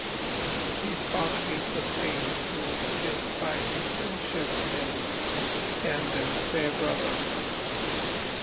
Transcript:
He is partly sustained through this by his friendship with Camden Farebrother.